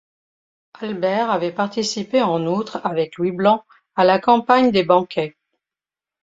Albert avait participé en outre avec Louis Blanc à la campagne des Banquets.